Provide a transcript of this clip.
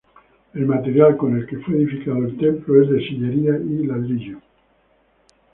El material con el que fue edificado el templo es de sillería y ladrillo.